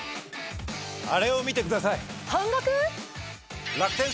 あれを見てください！